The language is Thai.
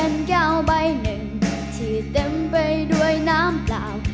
เธอเป็นแก้วใบหนึ่งที่เต็มไปด้วยน้ำเปล่า